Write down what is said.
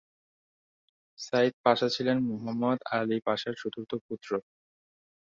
Saeed Pasha ছিলেন Muhammad Ali পাশার চতুর্থ পুত্র।